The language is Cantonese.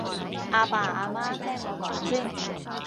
阿爸阿媽聽我講先